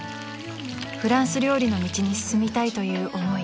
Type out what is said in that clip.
［フランス料理の道に進みたいという思い］